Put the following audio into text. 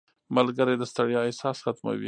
• ملګری د ستړیا احساس ختموي.